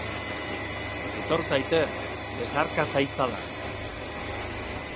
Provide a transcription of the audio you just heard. Etor zaitez, besarka zaitzadan.